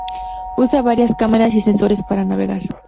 Usa varias cámaras y sensores para navegar.